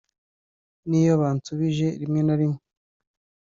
n’iyo bansubije rimwe na rimwe